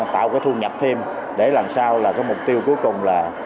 tạo cái thu nhập thêm để làm sao là cái mục tiêu cuối cùng là